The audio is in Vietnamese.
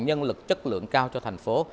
nhân lực chất lượng cao cho thành phố